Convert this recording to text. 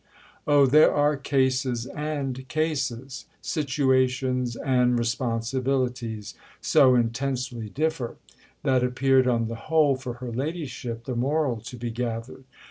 "Oh, there are cases and cases: situations and responsibilities so intensely differ!"—that appeared on the whole, for her ladyship, the moral to be gathered.